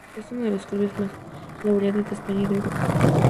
Es uno de los clubes más laureados de España y de Europa.